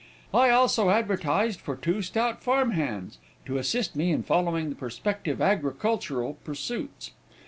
I also advertised for two stout farm hands, to assist me in following the prospective agricultural pursuits.